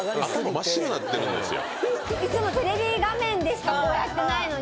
真っ白になってるんですよ。